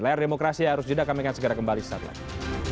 layar demokrasi harus judak kami akan segera kembali setelah ini